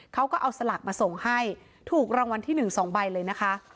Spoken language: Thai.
เขาก็เอาสลากมาส่งให้ถูกรางวัลที่๑๒ใบเลยนะคะ